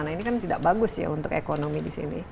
nah ini kan tidak bagus ya untuk ekonomi di sini